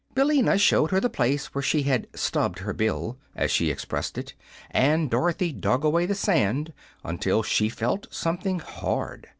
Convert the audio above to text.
Billina showed her the place where she had "stubbed her bill," as she expressed it, and Dorothy dug away the sand until she felt something hard.